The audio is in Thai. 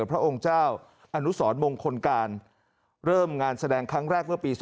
พระองค์เจ้าอนุสรมงคลการเริ่มงานแสดงครั้งแรกเมื่อปี๒๕